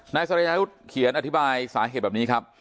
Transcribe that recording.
นายสรยายุทธ์เขียนอธิบายสาเหตุแบบนี้ครับ